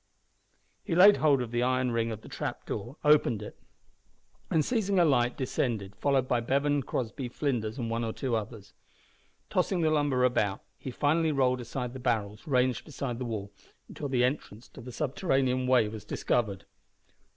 He laid hold of the iron ring of the trap door, opened it, and seizing a light descended, followed by Bevan, Crossby, Flinders, and one or two others. Tossing the lumber about he finally rolled aside the barrels ranged beside the wall, until the entrance to the subterranean way was discovered.